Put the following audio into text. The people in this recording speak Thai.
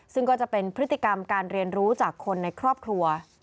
ซึ่งก็จะเป็นพฤติกรรมการเรียนรู้จากคนในครอบครัว